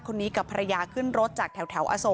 กลับมารับทราบ